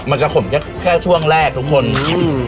มันจะขมแค่แค่ช่วงแรกทุกคนอืม